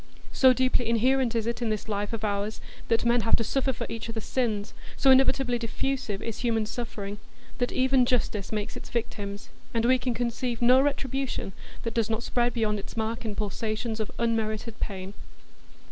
So deeply inherent is it in this life of ours that men have to suffer for each other's sins, so inevitably diffusive is human suffering, that even justice makes its victims, and we can conceive no retribution that does not spread beyond its mark in pulsations of unmerited pain.